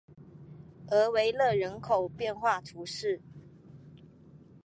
厄维勒人口变化图示